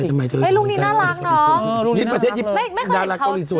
ลุคนี้น่ารักน้องไม่เคยเห็นเขาลุคนี้อ่ะ